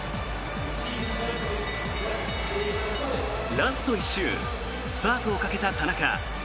ラスト１周スパートをかけた田中。